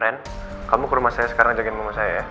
ren kamu ke rumah saya sekarang jagain mama saya ya